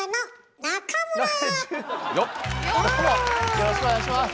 よろしくお願いします。